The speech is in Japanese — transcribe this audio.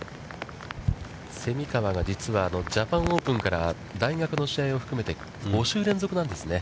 蝉川が実はジャパン・オープンから大学の試合を含めて５週連続なんですね。